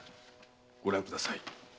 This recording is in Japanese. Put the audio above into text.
ご覧ください。